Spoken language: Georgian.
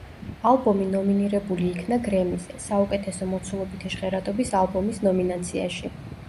ალბომი ნომინირებული იქნა გრემიზე, საუკეთესო მოცულობითი ჟღერადობის ალბომის ნომინაციაში.